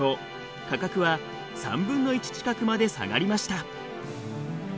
価格は３分の１近くまで下がりました。